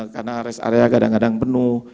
karena rest area kadang kadang penuh